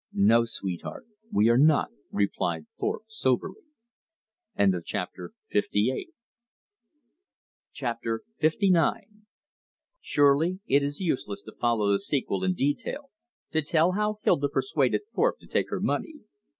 "No, sweetheart, we are not," replied Thorpe soberly. Chapter LIX Surely it is useless to follow the sequel in detail, to tell how Hilda persuaded Thorpe to take her money.